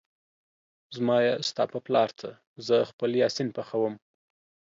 زما يې ستا په پلار څه ، زه خپل يا سين پخوم